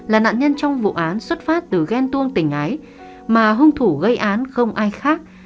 là nạn nhân trong vụ án xuất phát từ ghen tuông tình ái mà hung thủ gây án không ai khác